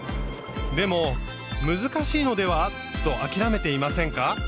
でも難しいのでは？と諦めていませんか？